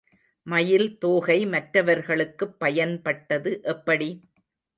மயில் தோகை மற்றவர்களுக்குப் பயன்பட்டது எப்படி?